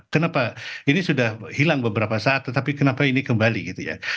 kenapa ini sudah hilang beberapa saat tetapi kenapa ini kembali gitu ya